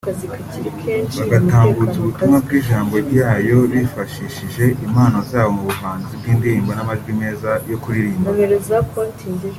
bagatambutsa n’ubutumwa bw’ijambo ryayo bifashishije impano zabo mu buhanzi bw’indirimbo n’amajwi meza yo kuziririmba